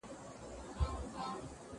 پښتورګي اضافي اوبه له بدنه باسي.